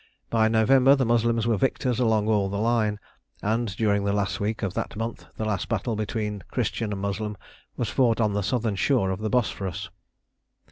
By November the Moslems were victors all along the line, and during the last week of that month the last battle between Christian and Moslem was fought on the Southern shore of the Bosphorus.